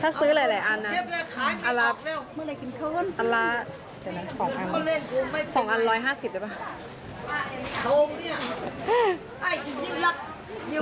๑๐๐นึงนี่ไหม